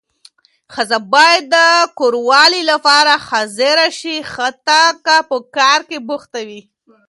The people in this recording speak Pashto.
ښځه باید د کوروالې لپاره حاضره شي حتی که په کار بوخته وي.